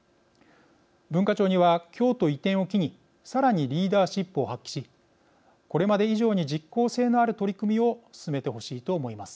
文化庁には、京都移転を機にさらにリーダーシップを発揮しこれまで以上に実効性のある取り組みを進めてほしいと思います。